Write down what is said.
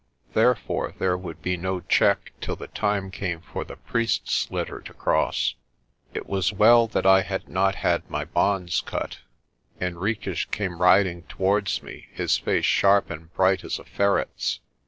Therefore there would be no check till the time came for the priest's litter to cross. It was well that I had not had my bonds cut. Henriques came riding towards me, his face sharp and bright as a ferret's.